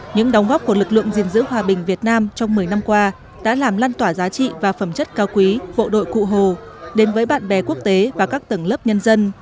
những đóng góp của lực lượng gìn giữ hòa bình việt nam trong một mươi năm qua đã làm lan tỏa giá trị và phẩm chất cao quý bộ đội cụ hồ đến với bạn bè quốc tế và các tầng lớp nhân dân